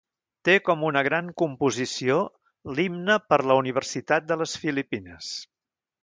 Té com una gran composició l'himne per la Universitat de les Filipines.